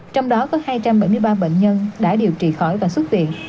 trong đó có hai trăm bảy mươi ba bệnh nhân đã điều trị khỏi và xuất viện